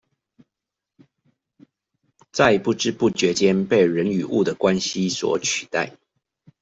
在不知不覺間被人與物的關係所取代